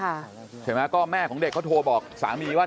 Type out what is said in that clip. เห็นไหมก็แม่ของเด็กเขาโทรบอกสามีว่า